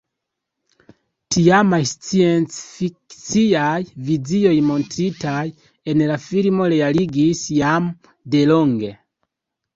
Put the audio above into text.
Tiamaj sciencfikciaj vizioj montritaj en la filmo realigis jam delonge.